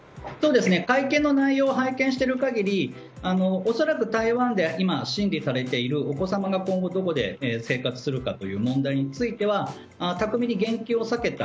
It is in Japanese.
会見の内容を拝見している限り恐らく、台湾で今、審理されている今後、お子様がどこで生活されるかという問題については巧みに言及を避けた。